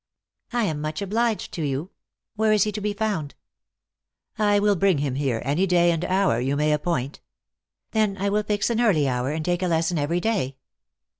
" I am much obliged to you ; where is he to be found ?"" I will bring him here, any day and hour you may appoint." " Then I will fix an early hour, and take a lesson every day."